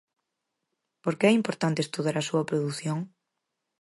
Por que é importante estudar a súa produción?